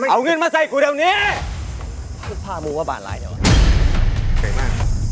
เอาเงินมาใส่กูเดี๋ยวนี้มือว่ะบ้านไรเนี้ยอ่ะ